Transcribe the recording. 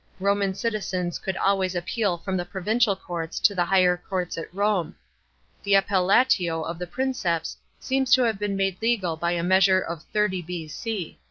Roman citizens could always appeal from the provincial courts to the higher courts at Home. The appeUatio to the Princeps seems to have been made legal by a measure of 30 B.C.